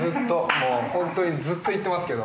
もう本当にずっと言ってますけど。